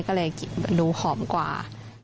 ก็เลยดูหอมกว่า